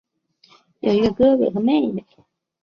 有一个哥哥和妹妹。